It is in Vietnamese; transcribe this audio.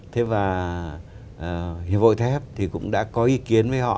thế và hiệp hội thép thì cũng đã có ý kiến với họ